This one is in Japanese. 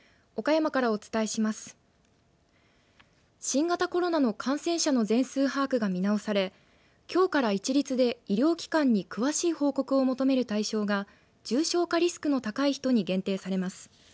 新型コロナの感染者の全数把握が見直されきょうから一律で医療機関に詳しい報告を求める対象が重症化リスクの高い人に限定されます。